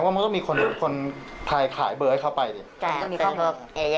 ใช่ครับมีเขาเพิ่ม